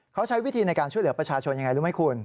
เขาใช้วิธีในการช่วยเหลือประชาชนยังไงรู้ไหมคุณ